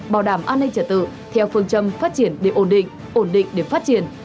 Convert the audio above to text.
bảo đảm an ninh trả tự theo phương châm phát triển để ổn định ổn định để phát triển